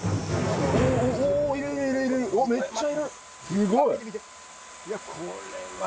すごい！